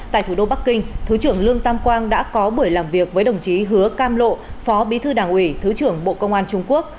tại thủ đô bắc kinh thứ trưởng lương tam quang đã có buổi làm việc với đồng chí hứa cam lộ phó bí thư đảng ủy thứ trưởng bộ công an trung quốc